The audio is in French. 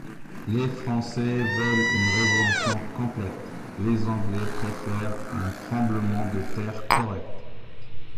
Les français veulent une révolution complète ; les anglais préfèrent un tremblement de terre correct.